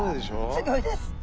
すギョいです。